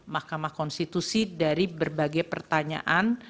mahkamah konstitusi dari berbagai pertanyaan